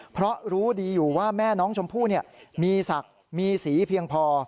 เพราะรู้ดีอยู่ว่าแม่น้องชมพู่มีศักดิ์มีสีเพียงพอ